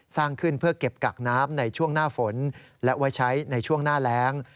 สร้างขึ้นเพื่อเก็บกักน้ำในช่วงหน้าฝนและไว้ใช้ในช่วงหน้าแรง